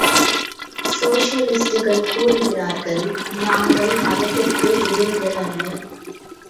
சோஷலிஸ்டுகள் கூறுகிறார்கள் நாங்கள் மதத்திற்கு எதிரிகள் அல்ல.